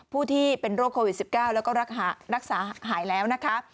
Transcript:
ผู้ที่เป็นโรคโควิด๑๙แล้วก็รักษาหายแล้วนะคะ